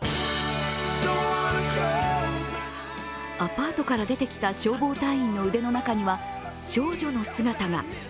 アパートから出てきた消防隊員の腕の中には少女の姿が。